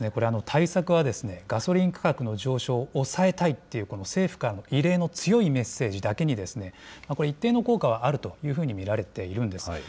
対策はガソリン価格の上昇を抑えたいっていうこの政府からの異例の強いメッセージだけに、これ、一定の効果はあるというふうに見られているんです。